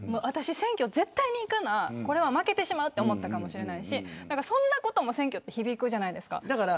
選挙に絶対に行かないと負けてしまうと思ったかもしれないしそんなことも選挙は響くじゃないですか。